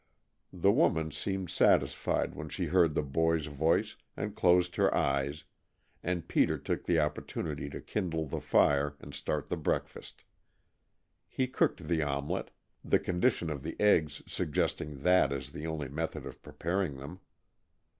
The woman seemed satisfied when she heard the boy's voice, and closed her eyes, and Peter took the opportunity to kindle the fire and start the breakfast. He cooked the omelet, the condition of the eggs suggesting that as the only method of preparing them.